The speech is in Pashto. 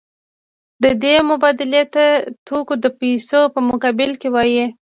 دې مبادلې ته توکي د پیسو په مقابل کې وايي